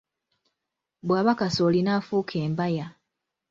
Bw’aba Kasooli n’afuuka Embaya.